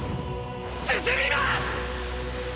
進みます！！